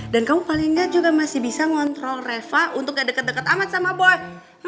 dan kamu paling gak juga masih bisa ngontrol reva untuk gak deket deket amat sama boy